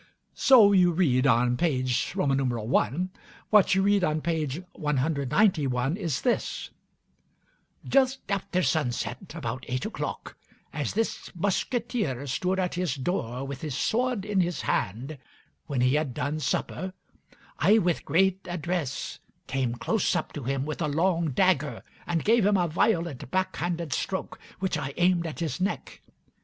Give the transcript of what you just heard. So you read on page i; what you read on page 191 is this: "Just after sunset, about eight o'clock, as this musqueteer stood at his door with his sword in his hand, when he had done supper, I with great address came close up to him with a long dagger, and gave him a violent back handed stroke, which I aimed at his neck.